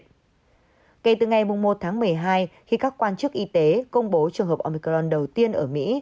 kể từ ngày một tháng một mươi hai khi các quan chức y tế công bố trường hợp omicron đầu tiên ở mỹ